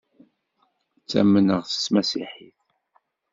Ttamneɣ s tmasiḥit.